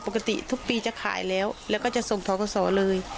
ปกติทุกปีจะขายแล้วแล้วก็จะส่งทัวร์กระสอบเลย